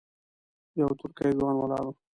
یو ترکی ځوان ولاړ و.